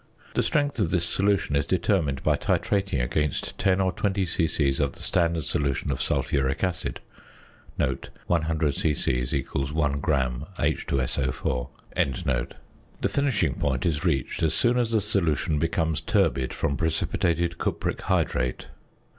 The strength of this solution is determined by titrating against 10 or 20 c.c. of the standard solution of sulphuric acid (100 c.c. = 1 gram H_SO_). The finishing point is reached as soon as the solution becomes turbid from precipitated cupric hydrate.